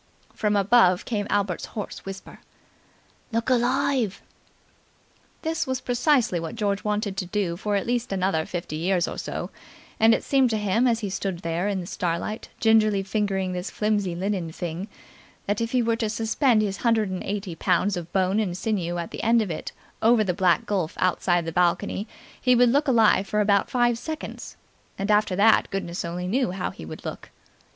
From above came Albert's hoarse whisper. "Look alive!" This was precisely what George wanted to do for at least another fifty years or so; and it seemed to him as he stood there in the starlight, gingerly fingering this flimsy linen thing, that if he were to suspend his hundred and eighty pounds of bone and sinew at the end of it over the black gulf outside the balcony he would look alive for about five seconds, and after that goodness only knew how he would look.